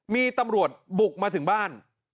มีตำรวจบุกมาถึงบ้าน